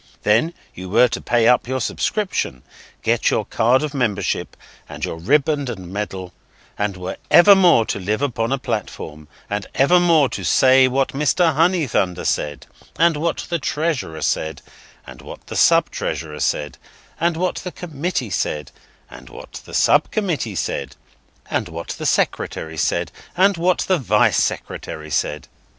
Then, you were to pay up your subscription, get your card of membership and your riband and medal, and were evermore to live upon a platform, and evermore to say what Mr. Honeythunder said, and what the Treasurer said, and what the sub Treasurer said, and what the Committee said, and what the sub Committee said, and what the Secretary said, and what the Vice Secretary said.